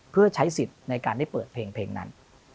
เพื่อใช้สิทธิ์ในการได้เปิดเพลงนั้น